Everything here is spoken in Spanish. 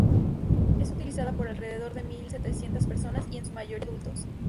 Es utilizada por alrededor de mil setecientas personas, en su mayoría adultos.